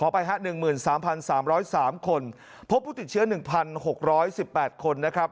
พบผู้ติดเชื้อ๑๖๑๘คนนะครับ